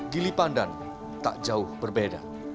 gili pandan tak jauh berbeda